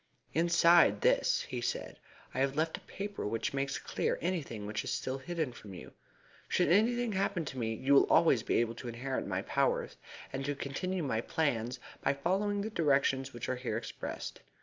"Inside this," he said, "I have left a paper which makes clear anything which is still hidden from you. Should anything happen to me you will always be able to inherit my powers, and to continue my plans by following the directions which are there expressed.